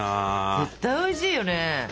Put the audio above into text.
絶対おいしいよね！